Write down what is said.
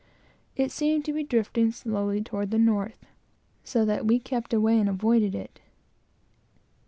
It seemed to be drifting slowly toward the north, so that we kept away and avoided it.